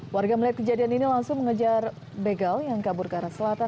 warga melihat kejadian ini langsung mengejar begal yang kabur ke arah selatan